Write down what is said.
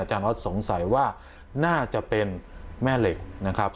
ออสสงสัยว่าน่าจะเป็นแม่เหล็กนะครับ